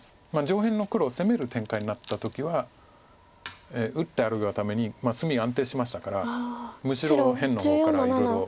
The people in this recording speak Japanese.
上辺の黒を攻める展開になった時は打ってあるがために隅安定しましたからむしろ辺の方からいろいろ。